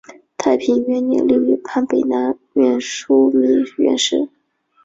太平元年六月判北南院枢密院事。